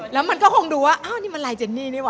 แล้วมันก็คงดูว่าอ้าวนี่มันลายเจนนี่นี่ว